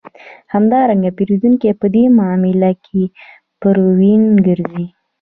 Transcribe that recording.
همدارنګه پېرودونکی په دې معامله کې پوروړی ګرځي